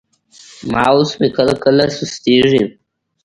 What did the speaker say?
ماوس مې کله کله سستېږي.